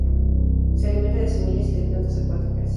Se alimenta de semillas y de plantas acuáticas.